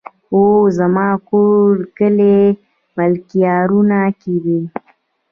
وو زما کور کلي ملكيارو کې دی